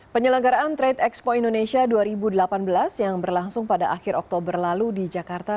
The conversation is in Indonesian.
penyelenggaraan trade expo indonesia dua ribu delapan belas yang berlangsung pada akhir oktober lalu di jakarta